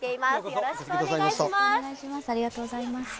よろしくお願いします。